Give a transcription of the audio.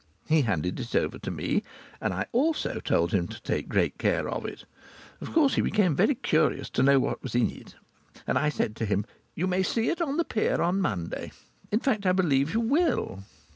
He handed it over to me, and I also told him to take great care of it. Of course he became very curious to know what was in it. I said to him: "You may see it on the pier on Monday. In fact, I believe you will."